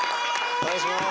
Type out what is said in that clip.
お願いします。